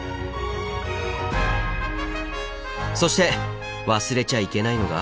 そして忘れちゃいけないのが。